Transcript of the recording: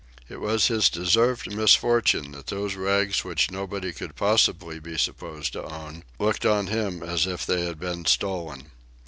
It was his deserved misfortune that those rags which nobody could possibly be supposed to own looked on him as if they had been stolen.